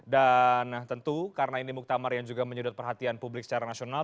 dan tentu karena ini muktamar yang juga menyedot perhatian publik secara nasional